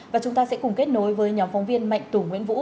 và chúng ta sẽ cùng kết nối với nhóm phóng viên mạnh tủ nguyễn vũ